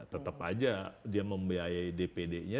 tetap aja dia membiayai dpd nya